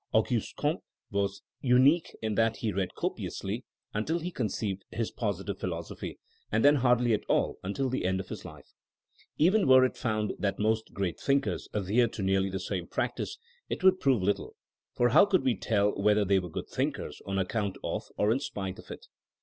Auguste Comte was unique in that he read copiously until he conceived his Positive 1 The Conduct of the Understanding, THINKING AS A SCIENCE 139 Philosophy, and then hardly at all until the end of his life. Even were it found that most great thinkers adhered to nearly the same practice, it would prove little ; for how could we tell whether they were good thinkers on account of, or in spite of it?